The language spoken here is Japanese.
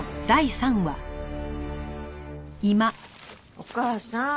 お義母さん